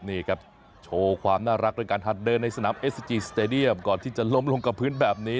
นี่ครับโชว์ความน่ารักด้วยการหัดเดินในสนามเอสซิจีสเตดียมก่อนที่จะล้มลงกับพื้นแบบนี้